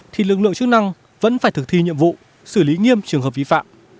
thì lực lượng chức năng vẫn phải thực thi nhiệm vụ xử lý nghiêm trường hợp vi phạm